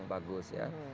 yang bagus ya